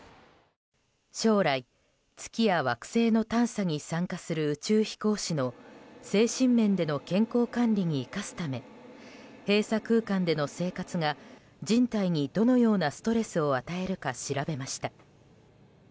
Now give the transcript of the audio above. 将来、月や惑星の探査に参加する宇宙飛行士の精神面での健康管理に生かすため閉鎖空間での生活が人体にどのようなストレスを与えるか調べました。